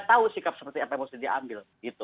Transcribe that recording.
tahu sikap seperti apa yang harus diambil